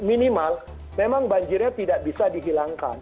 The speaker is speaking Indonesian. minimal memang banjirnya tidak bisa dihilangkan